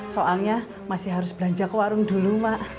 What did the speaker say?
soalnya masih harus belanja ke warung dulu mak